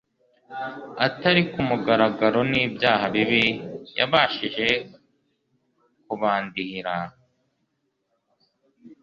Atari ku mugaragaro n'ibyaha bibi yabashije kubandihira